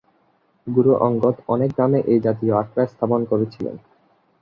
গুরু অঙ্গদ অনেক গ্রামে এই জাতীয় আখড়া স্থাপন করেছিলেন।